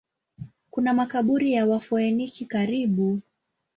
Kuna makaburi ya Wafoeniki karibu.